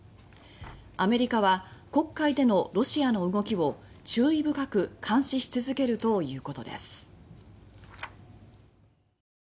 アメリカは黒海でのロシアの動きを注意深く監視し続けるということです。